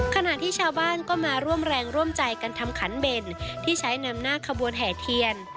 ขณะที่ชาวบ้านก็มาร่วมแรงร่วมใจกันทำขันเบ่นที่ใช้นำหน้าขบวนแห่เทียน